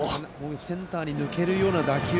センターに抜けるような打球。